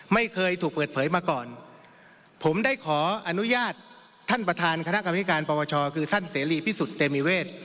ไม่เคยถูกเปิดเผยมาก่อนผมได้ขออนุญาตท่านประธานคณะกรรมธิการปวชคือท่านเสรีพิสุทธิ์เตมีเวท